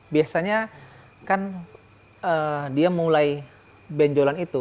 biasanya kan dia mulai benjolan itu